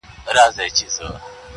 گوره را گوره وه شپوږمۍ ته گوره.